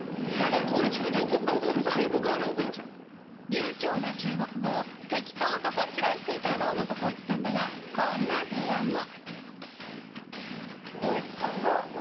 流ちょうな中国語を適当と勘違いしていた堂本光一さんだが、こんな提案も。